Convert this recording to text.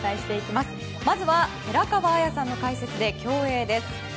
まずは寺川綾さんの解説で競泳です。